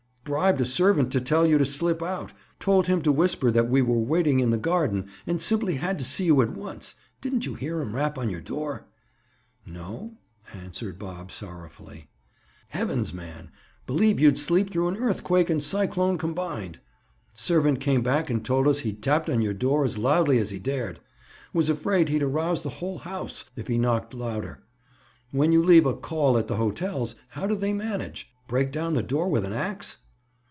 "Bribed a servant to tell you to slip out! Told him to whisper that we were waiting in the garden and simply had to see you at once! Didn't you hear him rap on your door?" "No," answered Bob sorrowfully. "Heavens, man! believe you'd sleep through an earthquake and cyclone combined! Servant came back and told us he'd tapped on your door as loudly as he dared. Was afraid he'd arouse the whole house if he knocked louder. When you leave a 'call' at the hotels, how do they manage? Break down the door with an ax?"